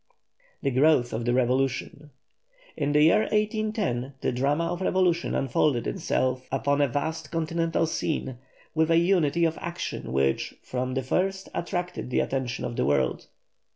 THE GROWTH OF THE REVOLUTION. In the year 1810 the drama of revolution unfolded itself upon a vast continental scene, with a unity of action which from the first attracted the attention of the world.